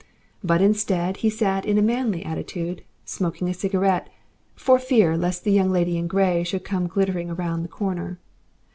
But instead he sat in a manly attitude, smoking a cigarette, for fear lest the Young Lady in Grey should come glittering round the corner.